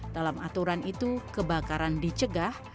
dalam aturan itu kebakaran dicegah